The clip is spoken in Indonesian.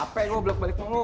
capek gua balik balik nunggu